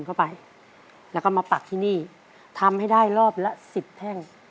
เข้าไปแล้วก็มาปักที่นี่ทำให้ได้รอบละสิบแท่ง